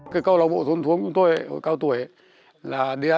câu lạc bộ thôn thuống của chúng tôi hồi cao tuổi là